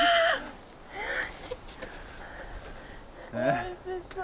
おいしそう。